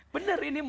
benar ini mas